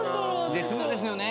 絶妙ですよね。